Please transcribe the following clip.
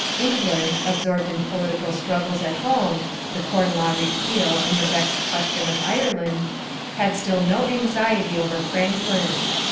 England, absorbed in political struggles at home the Corn Law Repeal and the vexed question of Ireland had still no anxiety over Franklin.